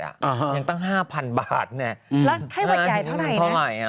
เนี้ยตั้งห้าพันบาทเนี่ย